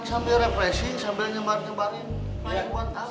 sambil represi sambil nyebar nyebarin